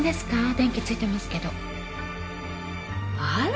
電気ついてますけどあら！